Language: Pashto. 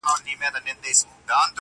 هغه نوري ورځي نه در حسابیږي-